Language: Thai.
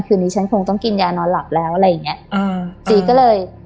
คืนนี้ฉันคงต้องกินยานอนหลับแล้วอะไรอย่างเงี้ยอ่าจีก็เลย